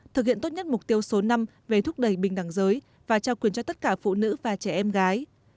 thực hiện tốt nhất mục tiêu số năm về thúc đẩy bình đẳng giới và trao quyền cho tất cả phụ nữ và trẻ em gái